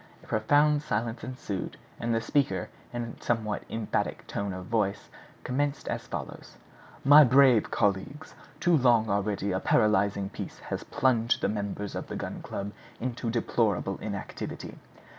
A profound silence ensued, and the speaker, in a somewhat emphatic tone of voice, commenced as follows: "My brave, colleagues, too long already a paralyzing peace has plunged the members of the Gun Club in deplorable inactivity.